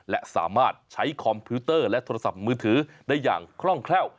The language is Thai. และสามารถใช้คอมพิวเตอร์และโทรศัพท์มือถือได้อย่างคล่องแคล่ว